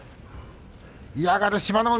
嫌がる志摩ノ海。